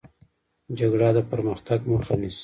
جګړه د پرمختګ مخه نیسي